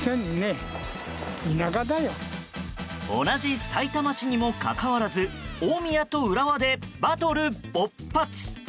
同じさいたま市にもかかわらず大宮と浦和でバトル勃発。